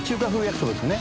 そうですね。